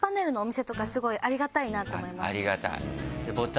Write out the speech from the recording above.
ありがたい。